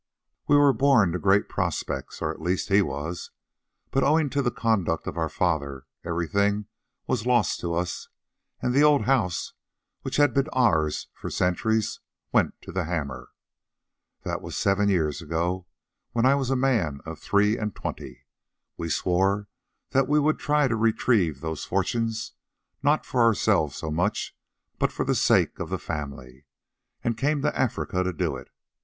We were born to great prospects, or at least he was; but owing to the conduct of our father, everything was lost to us, and the old house, which had been ours for centuries, went to the hammer. That was some seven years ago, when I was a man of three and twenty. We swore that we would try to retrieve those fortunes—not for ourselves so much, but for the sake of the family—and came to Africa to do it.